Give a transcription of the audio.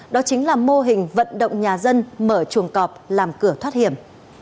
đó chính là mô hình vận động nhà dân mở chuồng cọp làm cửa thoát hiểm